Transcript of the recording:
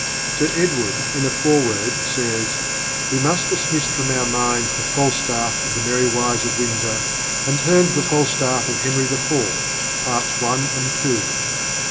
Sir Edward, in a foreword, says: "We must dismiss from our minds the Falstaff of The Merry Wives of Windsor and turn to the Falstaff of Henry IV., parts one and two."